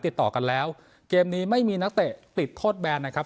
ติดต่อกันแล้วเกมนี้ไม่มีนักเตะติดโทษแบนนะครับ